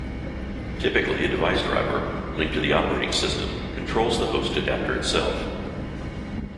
Typically a device driver, linked to the operating system, controls the host adapter itself.